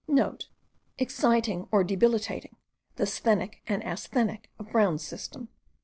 *(* Exciting or debilitating, the sthenic and asthenic, of Brown's system.)